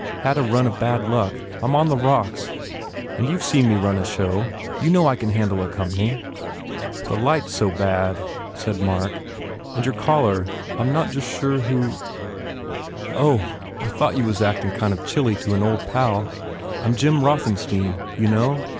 Had a run of bad luck. I m on the rocks. But you ve seen me run a show. You know I can handle a comp ny " "The light s so bad," said Mark, "and your collar I m not just sure who " The man gave a whimpering laugh. "Oh, I thought you was actin kind of chilly to an old pal. I m Jim Rothenstein. You know?